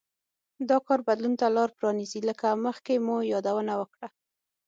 دا کار بدلون ته لار پرانېزي لکه مخکې مو یادونه وکړه